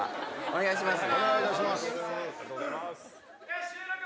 お願いいたします。